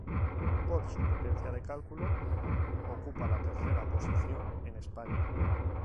Por su potencia de cálculo ocupa la tercera posición en España.